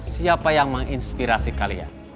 siapa yang menginspirasi kalian